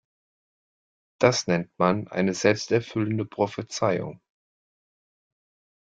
Das nennt man eine selbsterfüllende Prophezeiung.